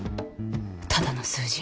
ただの数字。